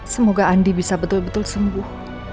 semoga andi bisa betul betul sembuh